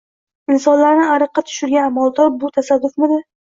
insonlarni ariqqa tushirgan amaldor – bular tasodifmidi?